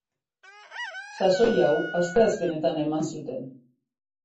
Sasoi hau, asteazkenetan eman zuten.